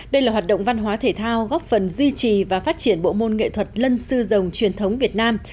đây là hoạt động văn hóa thể thao góp phần duy trì và phát triển bộ môn nghệ thuật lân sư rồng truyền thống việt nam